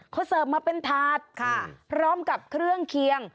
เขาเสิร์ฟมาเป็นถาดพร้อมกับเครื่องเคียง